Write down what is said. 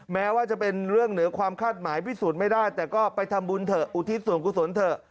แม้ว่าจะเป็นเรื่องเหนือความคาดหมายพิสูจน์ไม่ได้แต่ก็ไปทำบุญเถอะอุทิศส่วนกุศลเถอะ